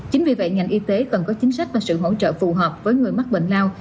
chính vì vậy ngành y tế cần có chính sách và sự hỗ trợ phù hợp với người mắc bệnh lao